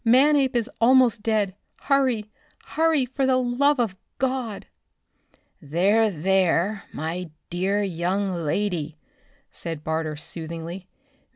Manape is almost dead! Hurry! Hurry, for the love of God!" "There, there, my dear young lady," said Barter soothingly.